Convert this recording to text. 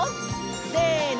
せの！